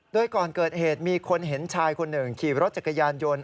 โดยก่อนเกิดเหตุมีคนเห็นชายคนหนึ่งขี่รถจักรยานยนต์